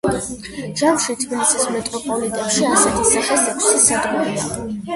ჯამში თბილისის მეტროპოლიტენში, ასეთი სახის ექვსი სადგურია.